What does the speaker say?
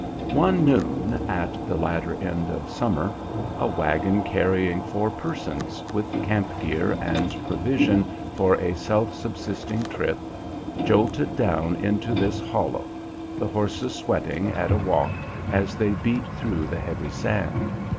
One noon at the latter end of summer a wagon carrying four persons, with camp gear and provision for a self subsisting trip, jolted down into this hollow, the horses sweating at a walk as they beat through the heavy sand.